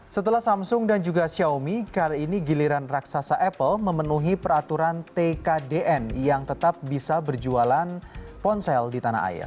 setelah samsung dan juga xiaomi kali ini giliran raksasa apple memenuhi peraturan tkdn yang tetap bisa berjualan ponsel di tanah air